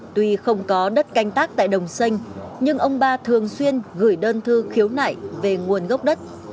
tuy không có đất canh tác tại đồng sinh nhưng ông ba thường xuyên gửi đơn thư khiếu nại về nguồn gốc đất